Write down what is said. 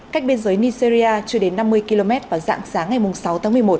cách biên giới nigeria chưa đến năm mươi km vào dạng sáng ngày sáu tháng một mươi một